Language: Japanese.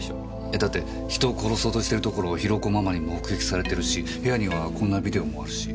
えだって人を殺そうとしてるところをヒロコママに目撃されてるし部屋にはこんなビデオもあるし。